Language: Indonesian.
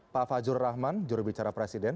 pak fajrul rahman jurubicara presiden